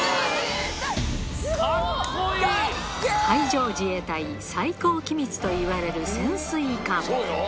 海上自衛隊最高機密といわれる潜水艦。